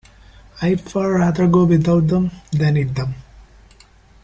I’d far rather go without them than eat them!